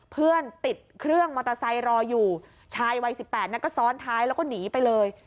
เพื่อนติดเครื่องมอเตอร์ไซค์รออยู่ชายวัย๑๘ก็ซ้อนท้ายแล้วก็หนีไปเลย